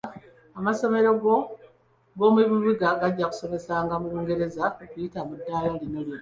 Amasomero go mu bibuga gajja kusomesezanga mu Lungereza okuyita mu ddala lino lyonna .